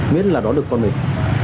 biết là đón được con mình